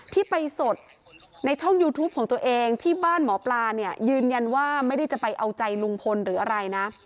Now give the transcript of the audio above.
ที่ไปสดในช่องยูทูปของตัวเองที่บ้านหมอปลาเนี่ยยืนยันว่าไม่ได้จะไปเอาใจลุงพลหรืออะไรนะ